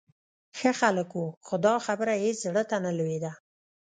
ښه خلک و، خو دا خبره یې هېڅ زړه ته نه لوېده.